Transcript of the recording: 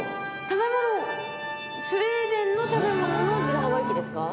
食べ物スウェーデンの食べ物の自動販売機ですか？